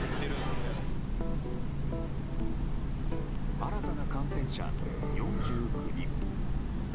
新たな感染者４９人。